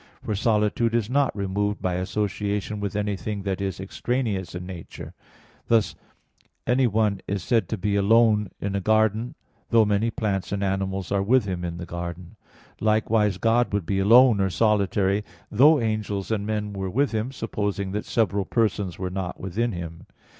For solitude is not removed by association with anything that is extraneous in nature; thus anyone is said to be alone in a garden, though many plants and animals are with him in the garden. Likewise, God would be alone or solitary, though angels and men were with Him, supposing that several persons were not within Him.